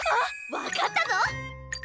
わかったぞ！